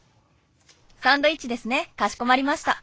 サンドイッチですねかしこまりました。